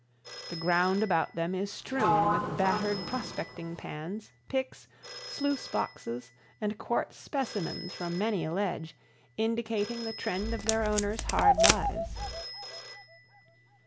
The ground about them is strewn with battered prospecting pans, picks, sluice boxes, and quartz specimens from many a ledge, indicating the trend of their owners' hard lives.